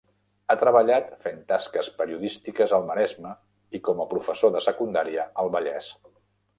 Ha treballat fent tasques periodístiques al Maresme i com a professor de secundària al Vallès.